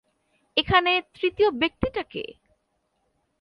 এখানে তৃতীয় ব্যক্তিটা কে?